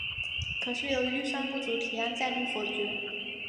可是由于预算不足提案再度否决。